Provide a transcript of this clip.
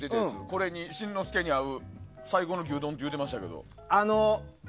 これに新之助に合う最高の牛丼って言うてましたけど。